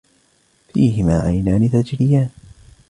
فيهما عينان تجريان